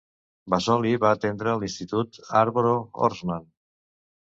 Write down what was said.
Vasoli va atendre l'institut Hatboro-Horsham.